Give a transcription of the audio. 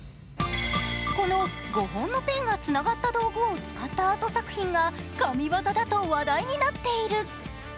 この５本のペンがつながった道具を使ったアート作品が神技だと話題になっている。